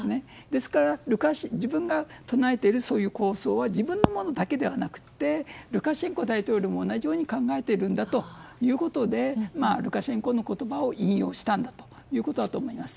ですから、自分が唱えているそういう構想は自分のものだけではなくてルカシェンコ大統領も同じように考えているんだということでルカシェンコの言葉を引用したということだと思います。